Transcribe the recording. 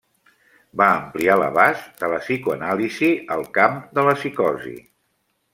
Va ampliar l'abast de la psicoanàlisi al camp de la psicosi.